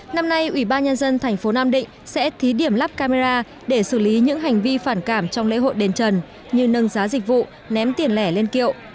năm nay ủy ban nhân dân thành phố nam định sẽ thí điểm lắp camera để xử lý những hành vi phản cảm trong lễ hội đền trần như nâng giá dịch vụ ném tiền lẻ lên kiệu